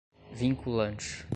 vinculante